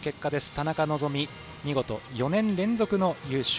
田中希実、見事４年連続優勝。